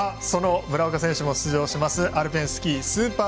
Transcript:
その村岡選手も出場するアルペンスキー。